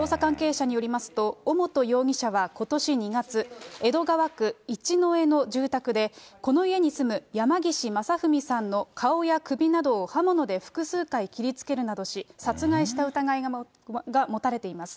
捜査関係者によりますと、尾本容疑者はことし２月、江戸川区いちのえの住宅で、この家に住むやまぎしまさふみさんの顔や首などを刃物で複数回切りつけるなどし、殺害した疑いが持たれています。